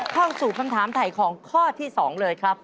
เข้าสู่คำถามถ่ายของข้อที่๒เลยครับ